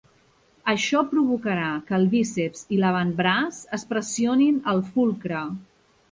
Això provocarà que el bíceps i l'avantbraç es pressionin al fulcre.